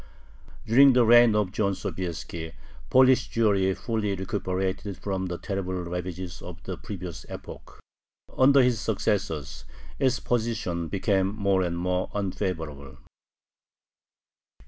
During the reign of John Sobieski Polish Jewry fully recuperated from the terrible ravages of the previous epoch. Under his successors its position became more and more unfavorable.